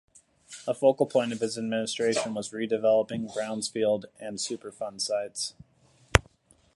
A focal point of his administration was redeveloping brownfield and superfund sites.